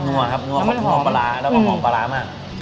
ัวครับนัวปลาร้าแล้วก็หอมปลาร้ามาก